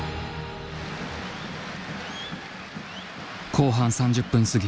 後半３０分過ぎ。